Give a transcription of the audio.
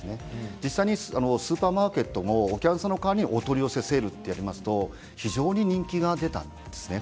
実際にスーパーマーケットもお客さんの代わりにお取り寄せセールをやると非常に人気が出たんです。